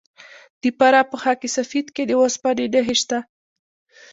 د فراه په خاک سفید کې د وسپنې نښې شته.